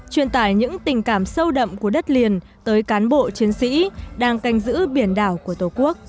truyền tải những tình cảm sâu đậm của đất liền tới cán bộ chiến sĩ đang canh giữ biển đảo của tổ quốc